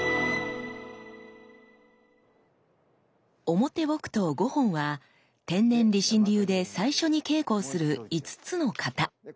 表木刀五本は天然理心流で最初に稽古をする５つの形。